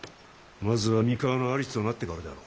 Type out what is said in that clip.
まずは三河の主となってからであろう。